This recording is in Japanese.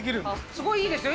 すごいいいですよ